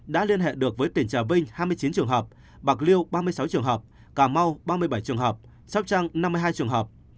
đã liên hệ được với tỉnh trà vinh hai mươi chín trường hợp bạc liêu ba mươi sáu trường hợp cà mau ba mươi bảy trường hợp sóc trăng năm mươi hai trường hợp